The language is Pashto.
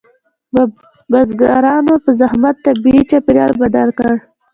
بزګرانو په زحمت طبیعي چاپیریال بدل کړ.